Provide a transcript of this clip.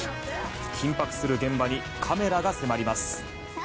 緊迫する現場にカメラが迫ります。